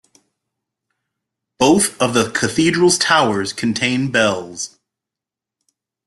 Both of the Cathedral's towers contain bells.